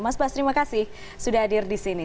mas bas terima kasih sudah hadir di sini